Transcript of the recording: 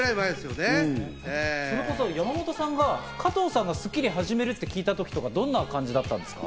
それこそ山本さんは、加藤さんが『スッキリ』を始めると聞いたときとか、どんな感じだったんですか？